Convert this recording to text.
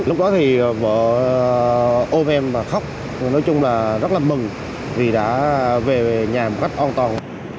lúc đó thì vợ om và khóc nói chung là rất là mừng vì đã về nhà một cách an toàn